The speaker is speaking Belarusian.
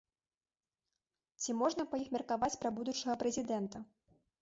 Ці можна па іх меркаваць пра будучага прэзідэнта?